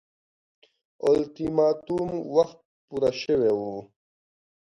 اولتیماتوم وخت پوره شوی وو.